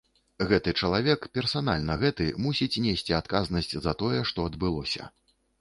Гэты чалавек, персанальна гэты, мусіць несці адказнасць за тое, што адбылося.